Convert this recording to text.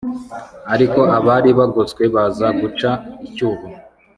ariko abari bagoswe baza guca icyuho